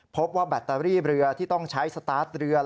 แบตเตอรี่เรือที่ต้องใช้สตาร์ทเรือ